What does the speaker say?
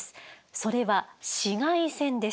それは紫外線です。